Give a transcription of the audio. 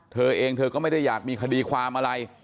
เธอเองเธอก็ไม่ได้อยากมีคดีความอะไร